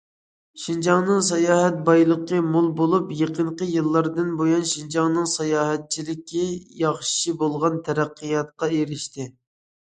شىنجاڭنىڭ ساياھەت بايلىقى مول بولۇپ، يېقىنقى يىللاردىن بۇيان، شىنجاڭنىڭ ساياھەتچىلىكى ياخشى بولغان تەرەققىياتقا ئېرىشتى.